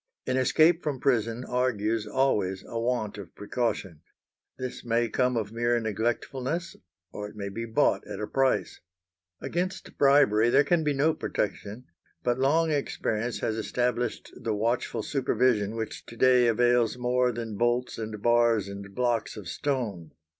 An escape from prison argues always a want of precaution. This may come of mere neglectfulness, or it may be bought at a price. Against bribery there can be no protection, but long experience has established the watchful supervision, which to day avails more than bolts and bars and blocks of stone.